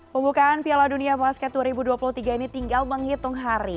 pembukaan piala dunia basket dua ribu dua puluh tiga ini tinggal menghitung hari